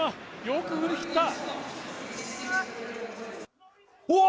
よく振り切った。